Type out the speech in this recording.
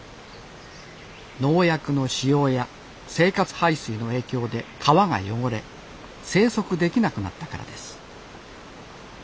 農薬の使用や生活排水の影響で川が汚れ生息できなくなったからです